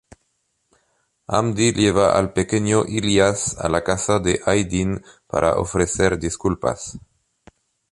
Hamdi lleva al pequeño İlyas a la casa de Aydin para ofrecer disculpas.